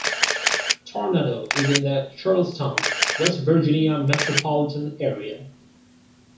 Tornado is in the Charleston, West Virginia metropolitan area.